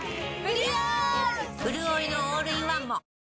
うるおいのオールインワンも！